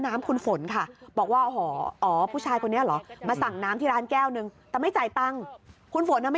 ไปขอดูใบสุทธิหน่อยดีกว่า